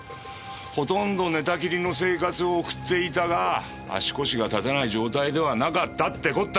ほとんど寝たきりの生活を送っていたが足腰が立たない状態ではなかったって事だろ？